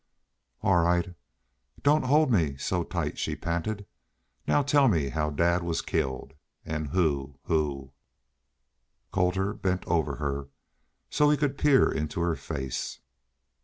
"All right don't hold me so tight," she panted. "Now tell me how dad was killed ... an' who who " Colter bent over so he could peer into her face.